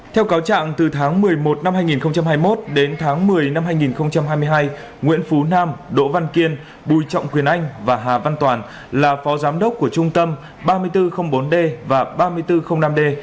theo cáo trạng từ tháng một mươi một năm hai nghìn hai mươi một đến tháng một mươi năm hai nghìn hai mươi hai nguyễn phú nam đỗ văn kiên bùi trọng quyền anh và hà văn toàn là phó giám đốc của trung tâm ba nghìn bốn trăm linh bốn d và ba nghìn bốn trăm linh năm d